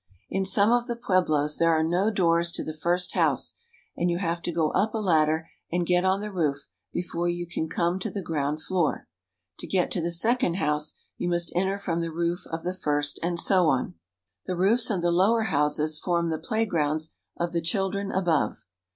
In some of the pueblos there are no doors to the first house, and you have to go up a ladder and get on the roof before you can come to the ground floor. To get to the second house, you must enter from the roof of the first, and so on. The roofs of the lower houses form the playgrounds of the children above.